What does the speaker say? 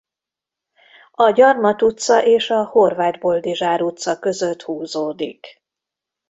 A Gyarmat utca és a Horváth Boldizsár utca között húzódik.